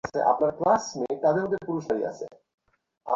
এটি পেলে হত্যার ধরন দেখে আসামি শনাক্ত করে গ্রেপ্তার অভিযান চালানো হবে।